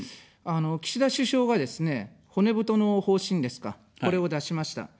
岸田首相がですね、骨太の方針ですか、これを出しました。